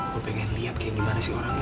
gue pengen lihat kayak gimana sih orangnya